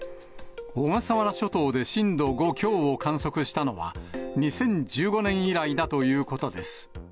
小笠原諸島で震度５強を観測したのは２０１５年以来だということです。